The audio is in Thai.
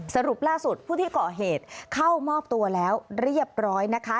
สรุปล่าสุดผู้ที่ก่อเหตุเข้ามอบตัวแล้วเรียบร้อยนะคะ